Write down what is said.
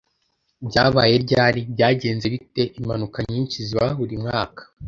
"Byabaye ryari?" "Byagenze bite?" Impanuka nyinshi ziba buri mwaka.